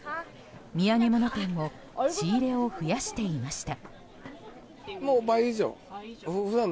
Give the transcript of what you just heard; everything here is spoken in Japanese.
土産物店も仕入れを増やしていました。